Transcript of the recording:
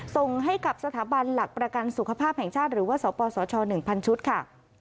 ส่งให้กับสถาบันหลักประกันสุขภาพแห่งชาติหรือว่าสปสช๑๐๐ชุดค่ะ